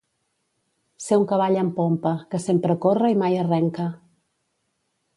Ser un cavall en pompa, que sempre corre i mai arrenca.